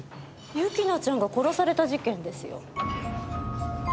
由紀奈ちゃんが殺された事件ですよ。